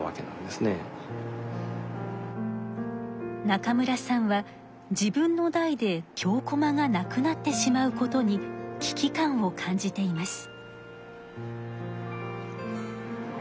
中村さんは自分の代で京こまがなくなってしまうことに危機感を感じています。